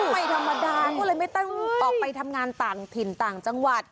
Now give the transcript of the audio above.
ไม่ธรรมดาก็เลยไม่ต้องออกไปทำงานต่างถิ่นต่างจังหวัด